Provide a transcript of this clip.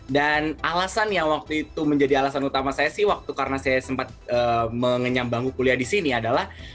dan alasan yang waktu itu menjadi alasan utama saya sih waktu karena saya sempat mengenyambangku kuliah di sini adalah